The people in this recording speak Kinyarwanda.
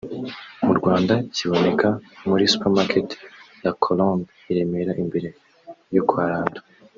mu Rwanda kiboneka muri Supermarket La Colombe i Remera imbere yo kwa Lando